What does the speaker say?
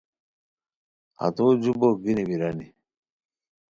ہتو جو بوک گینی بیرانی